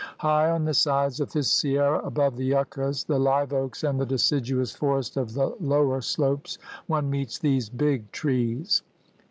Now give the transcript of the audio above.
High on the sides of the Sierra above the yuccas, the live oaks, and the deciduous forest of the lower slopes, one meets these Big Trees.